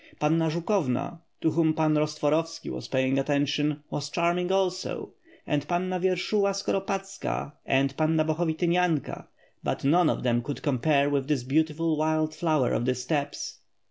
Panna Zukovna to whom Pan Rost vorovski was paying attention, was charming also, and Panna Viershulova Skoropadzka and Panna Bohovitynyanka, but none of them could compare with this beautiful wild flower of the steppes.